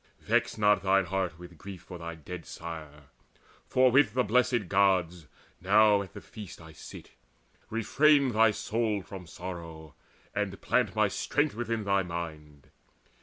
Vex not thine heart with grief For thy dead sire; for with the Blessed Gods Now at the feast I sit. Refrain thy soul From sorrow, and plant my strength within thy mind.